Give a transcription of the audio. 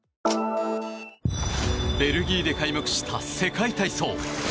ベルギーで開幕した世界体操。